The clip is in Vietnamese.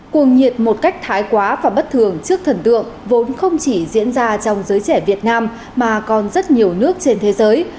cuồng nhiệt một cách thái quá và bất thường trước thần tượng vốn không chỉ diễn ra trong giới trẻ việt nam mà còn rất nhiều nước trên thế giới